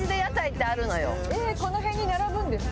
この辺に並ぶんですか？